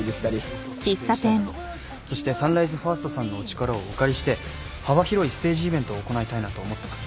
そしてサンライズファーストさんの力をお借りして幅広いステージイベントを行いたいなと思ってます。